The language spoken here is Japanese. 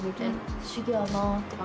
不思議やなって。